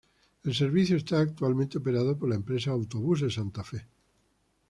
El servicio está actualmente operado por la empresa Autobuses Santa Fe.